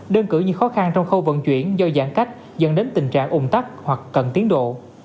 đơn cử như khó khăn trong khâu vận chuyển do giãn cách dẫn đến tình trạng ủng tắc hoặc cần tiến độ